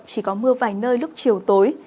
chỉ có mưa vài nơi lúc chiều tối